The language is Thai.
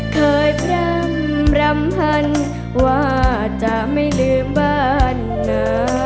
พร่ำรำพันว่าจะไม่ลืมบ้านนะ